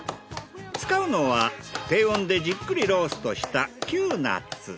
使うのは低温でじっくりローストした。